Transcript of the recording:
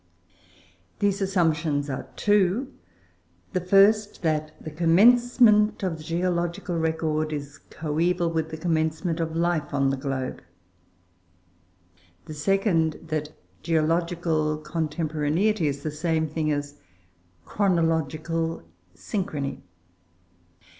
These assumptions are two: the first, that the commencement of the geological record is coëval with the commencement of life on the globe; the second, that geological contemporaneity is the same thing as chronological synchrony.